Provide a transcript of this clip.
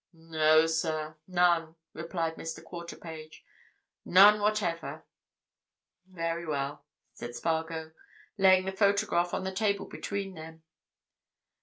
"No, sir, none!" replied Mr. Quarterpage. "None whatever." "Very well," said Spargo, laying the photograph on the table between them.